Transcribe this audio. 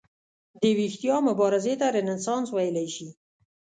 د ویښتیا مبارزې ته رنسانس ویلی شي.